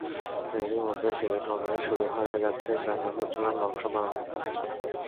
এরই মধ্যে সিলেট নগরে শুরু হয়ে গেছে ব্যানার-ফেস্টুনের নকশা বানানোর কাজ।